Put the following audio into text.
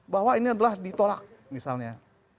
bahwa ini adalah ditolak misalnya